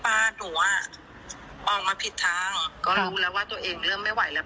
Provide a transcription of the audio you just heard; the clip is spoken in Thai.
หนูอ่ะออกมาผิดทางก็รู้แล้วว่าตัวเองเริ่มไม่ไหวแล้ว